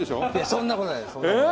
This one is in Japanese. そんな事ないです。